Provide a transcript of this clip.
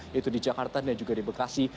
yaitu di jakarta dan juga di bekasi